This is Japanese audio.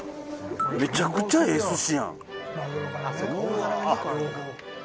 めちゃくちゃええ寿司やん。